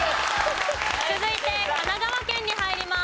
続いて神奈川県に入ります。